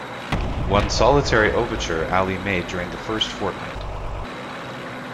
One solitary overture Ali made during that first fortnight.